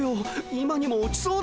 今にも落ちそうだ。